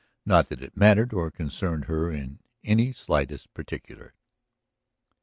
Not that it mattered or concerned her in any slightest particular.